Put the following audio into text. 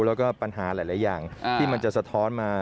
แล้วก็ปัญหาหลายอย่างที่มันจะสะท้อนมา